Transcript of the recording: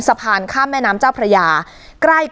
แล้วก็ไปซ่อนไว้ในคานหลังคาของโรงรถอีกทีนึง